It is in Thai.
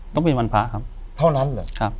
อยู่ที่แม่ศรีวิรัยิลครับ